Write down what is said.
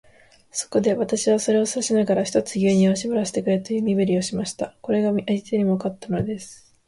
そこで、私はそれを指さしながら、ひとつ牛乳をしぼらせてくれという身振りをしました。これが相手にもわかったのです。